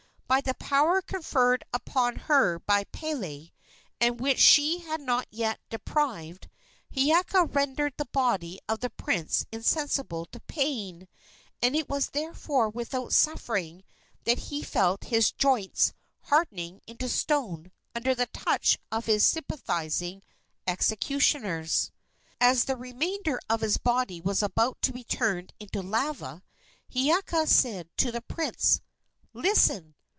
By the power conferred upon her by Pele, and of which she had not yet been deprived, Hiiaka rendered the body of the prince insensible to pain, and it was therefore without suffering that he felt his joints hardening into stone under the touch of his sympathizing executioners. As the remainder of his body was about to be turned into lava, Hiiaka said to the prince: "Listen!